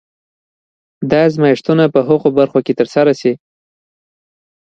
دا ازمایښتونه په هغو برخو کې ترسره شي.